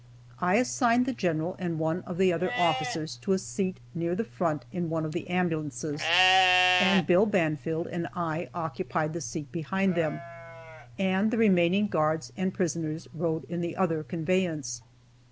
I assigned the general and one of the other officers to a seat near the front in one of the ambulances, and Bill Banfield and I occupied the seat behind them, and the remaining guards and prisoners rode in the other conveyance.